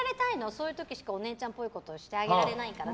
そういう時しかお姉ちゃんっぽいことをしてあげられないから。